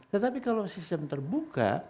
tetapi kalau sistem terbuka